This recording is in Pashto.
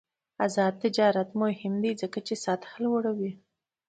آزاد تجارت مهم دی ځکه چې سطح لوړوي.